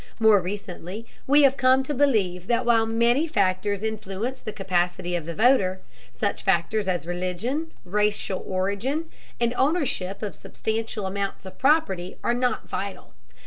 More recently we have come to believe that while many factors influence the capacity of the voter, such factors as religion, racial origin, and ownership of substantial amounts of property, are not vital.